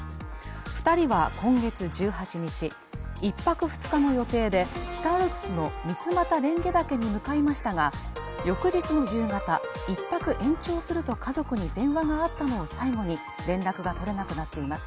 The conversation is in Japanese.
２人は今月１８日、１泊２日の予定で北アルプスの三俣蓮華岳に向かいましたが、翌日の夕方、１泊延長すると家族に電話があったのを最後に連絡が取れなくなっています。